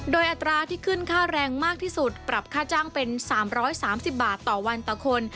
โดยอัตราที่ขึ้นค่าแรงมากที่สุดปรับค่าจ้างเป็น๓๓๐บาทต่อวันต่อคน